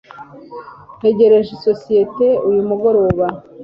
ntegereje isosiyete uyu mugoroba